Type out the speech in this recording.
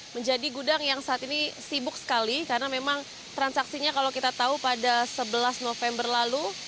menjadi gudang yang saat ini sibuk sekali karena memang transaksinya kalau kita tahu pada sebelas november lalu